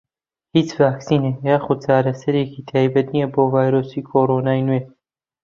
هیچ ڤاکسینێک یاخود چارەسەرێکی تایبەت نییە بۆ ڤایرۆسی کۆرۆنای نوێ.